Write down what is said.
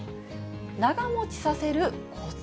長もちさせるこつ。